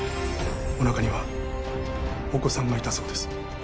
お腹にはお子さんがいたそうです。